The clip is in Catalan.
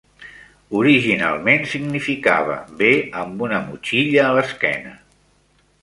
Originalment significava, Ve amb una motxilla a l'esquena.